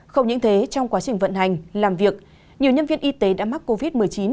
không những thế trong quá trình vận hành làm việc nhiều nhân viên y tế đã mắc covid một mươi chín